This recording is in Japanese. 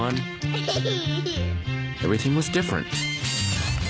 ヘヘヘヘ。